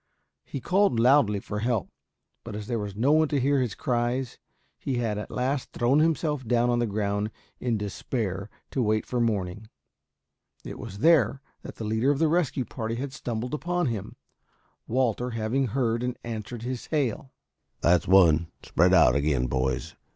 He called loudly for help, but as there was no one to hear his cries, he had at last thrown himself down on the ground in despair to wait for morning. It was there that the leader of the rescue party had stumbled upon him, Walter having heard and answered his hail. "That's one. Spread out again, boys.